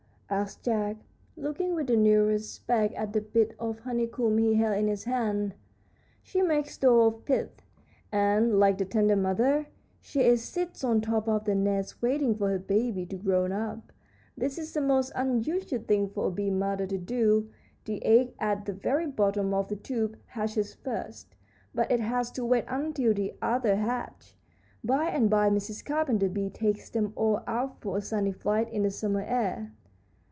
asked Jack, looking with new respect at the bit of honeycomb he held in his hand. "She makes doors of pith, and, like the tender mother she is, sits on top of the nest waiting for her babies to grow up. This is a most unusual thing for a bee mother to do. The egg at the very bottom of the tube hatches first, but it has to wait until the others hatch. By and by Mrs. Carpenter Bee takes them all out for a sunny flight in the summer air."